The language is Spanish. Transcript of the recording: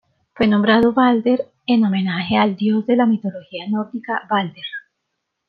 Fue nombrado Balder en homenaje al dios de la mitología nórdica Balder.